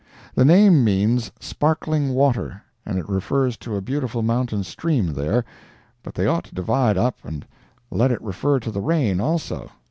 The name means "sparkling water," and refers to a beautiful mountain stream there, but they ought to divide up and let it refer to the rain also.